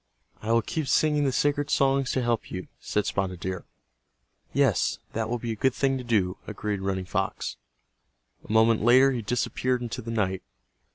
"I will keep singing the sacred songs to help you," said Spotted Deer. "Yes, that will be a good thing to do," agreed Running Fox. A moment later he disappeared into the night.